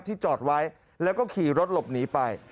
จอดไว้แล้วก็ขี่รถหลบหนีไป